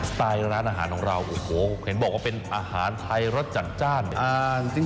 ไตล์ร้านอาหารของเราโอ้โหเห็นบอกว่าเป็นอาหารไทยรสจัดจ้าน